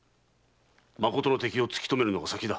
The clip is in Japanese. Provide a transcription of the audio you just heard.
まことの敵を突き止めるのが先だ。